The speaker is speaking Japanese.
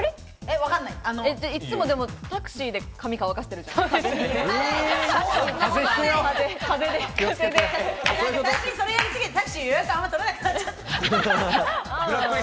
いつもタクシーで髪乾かしてんじゃん。